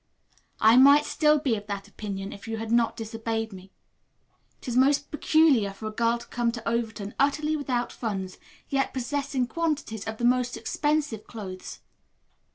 I might still be of that opinion if you had not disobeyed me. It is most peculiar for a girl to come to Overton utterly without funds, yet possessing quantities of the most expensive clothes.